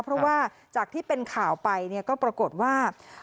เพราะว่าจากที่เป็นข่าวไปก็ปรากฏว่า